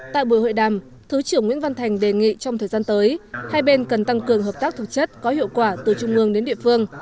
tại buổi hội đàm thứ trưởng nguyễn văn thành đề nghị trong thời gian tới hai bên cần tăng cường hợp tác thực chất có hiệu quả từ trung ương đến địa phương